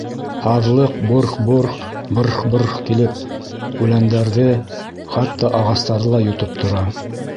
— Һаҙлыҡ борх-борх, брррх-брррх килеп, үләндәрҙе, хатта, ағастарҙы ла йотоп тора.